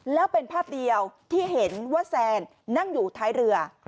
แล้วเป็นภาพเดียวที่เห็นว่าแซนนั่งอยู่ท้ายเรือ